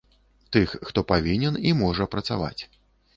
Тых, хто павінен і можа працаваць.